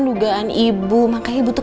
dugaan ibu makanya ibu tuh